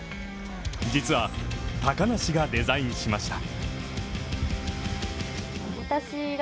実は高梨がデザインしました。